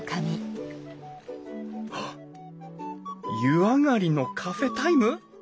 湯上がりのカフェタイム？